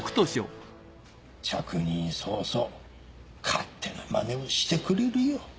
着任早々勝手なマネをしてくれるよ。